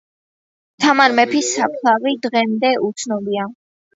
თამარ მეფის საფლავი დღემდე უცნობია